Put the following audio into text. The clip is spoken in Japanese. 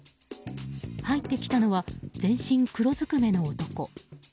入ってきたのは全身黒ずくめの男。